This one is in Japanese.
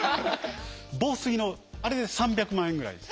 防水のあれで３００万円ぐらいです。